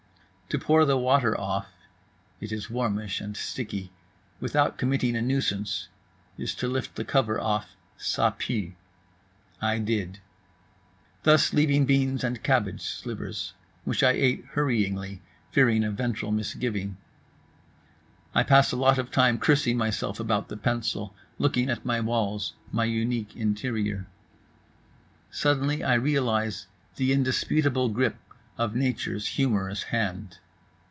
To pour the water off (it is warmish and sticky) without committing a nuisance is to lift the cover off Ça Pue. I did. Thus leaving beans and cabbage slivers. Which I ate hurryingly, fearing a ventral misgiving. I pass a lot of time cursing myself about the pencil, looking at my walls, my unique interior. Suddenly I realize the indisputable grip of nature's humorous hand.